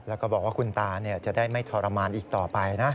แล้วก็บอกว่าคุณตาจะได้ไม่ทรมานอีกต่อไปนะ